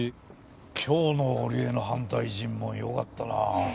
今日の織枝の反対尋問よかったなあ。